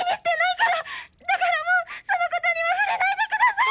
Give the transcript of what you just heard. だからもうそのことには触れないでください！